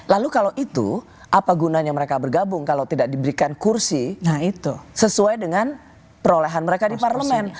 lalu kalau itu apa gunanya mereka bergabung kalau tidak diberikan kursi sesuai dengan perolehan mereka di parlemen